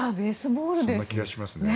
そんな気がしますね。